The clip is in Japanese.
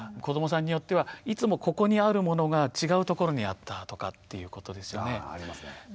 子どもさんによってはいつもここにあるものが違うところにあったとかっていうことですよね。